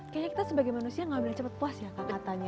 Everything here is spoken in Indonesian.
kayaknya kita sebagai manusia gak boleh cepet puas ya kak katanya